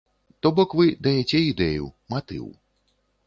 То бок вы даяце ідэю, матыў.